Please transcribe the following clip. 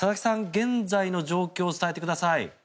現在の状況を伝えてください。